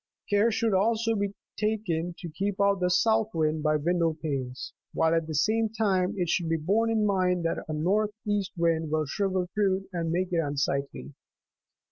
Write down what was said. Care should also be taken to keep out the south wind by window panes,25 while at the same time it should be borne in mind that a north east wind will shrivel fruit and make it unsightly.